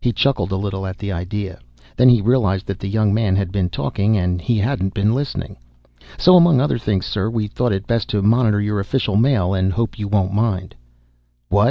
He chuckled a little at the idea. Then he realized that the young man had been talking and he hadn't been listening. "... so among other things, sir, we thought it best to monitor your official mail and hope you won't mind." "What?"